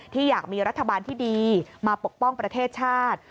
อยากมีรัฐบาลที่ดีมาปกป้องประเทศชาติ